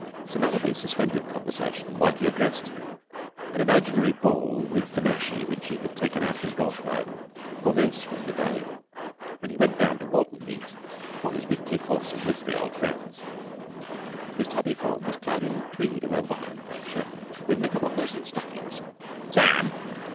Sir Mallaby suspended conversation while he addressed an imaginary ball with the mashie which he had taken out of his golf bag. For this was the day when he went down to Walton Heath for his weekly foursome with three old friends. His tubby form was clad in tweed of a violent nature, with knickerbockers and stockings. "Sam!"